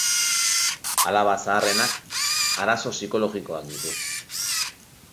Alaba zaharrenak arazo psikologikoak ditu.